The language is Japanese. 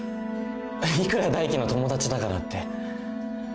いくら大樹の友達だからって